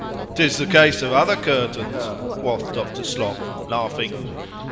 _( 'Tis the case of other curtains, quoth Dr. Slop, laughing.)